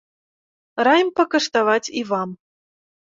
Раім пакаштаваць і вам.